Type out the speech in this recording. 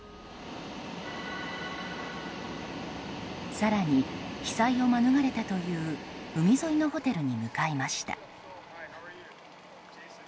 更に被災を免れたという海沿いのホテルに向かいました。